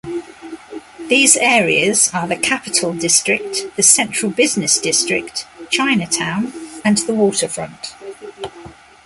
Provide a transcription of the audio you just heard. These areas are the Capitol District, the Central Business District, Chinatown, and the Waterfront.